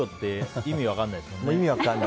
意味が分からないですね。